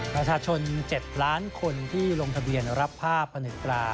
ประชาชน๗ล้านคนที่ลงทะเบียนรับภาพผนึกปลา